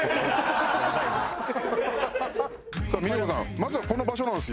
まずはこの場所なんですよ。